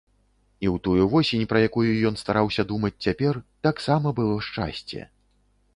І ў тую восень, пра якую ён стараўся думаць цяпер, таксама было шчасце.